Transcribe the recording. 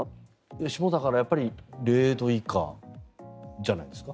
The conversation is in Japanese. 霜だから０度以下じゃないですか？